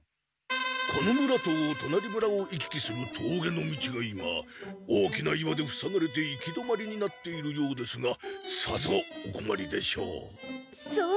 この村ととなり村を行き来するとうげの道が今大きな岩でふさがれて行き止まりになっているようですがさぞおこまりでしょう。